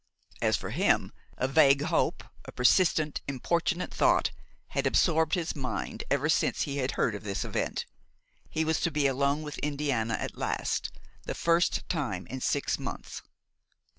As for him, a vague hope, a persistent, importunate thought had absorbed his mind ever since he had heard of this event: he was to be alone with Indiana at last, the first time for six months.